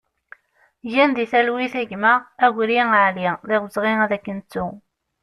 Gen di talwit a gma Agri Ali, d awezɣi ad k-nettu!